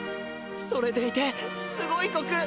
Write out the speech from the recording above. それでいてすごいコク！